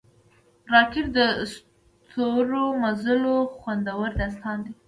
راکټ د ستورمزلو خوندور داستان لري